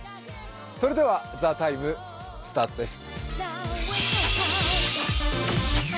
それでは「ＴＨＥＴＩＭＥ，」スタートです。